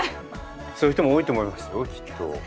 そういう人も多いと思いますよきっと。